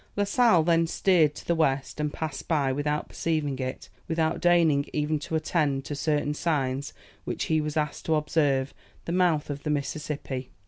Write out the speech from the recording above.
La Sale then steered to the west, and passed by, without perceiving it, without deigning even to attend to certain signs which he was asked to observe, the mouth of the Mississippi.